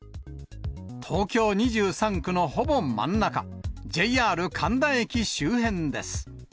東京２３区のほぼ真ん中、ＪＲ神田駅周辺です。